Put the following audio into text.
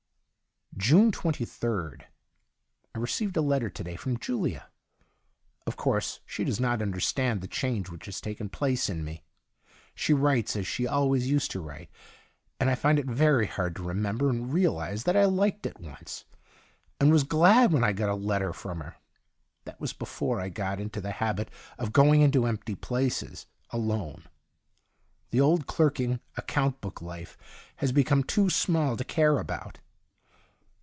June 23rd. — I received a letter to day from Julia. Of course she does not understand the change which has taken place in me. She writes as she always used to write, and I find it very hard to remember and realize that I liked it once, and was glael when I got a letter from her. That was before I got into the habit of going into empty places alone. The old clerking, account book life has become too small to care about.